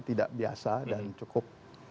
tidak biasa dan cukup